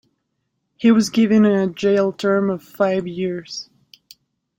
He was given a jail term of five years.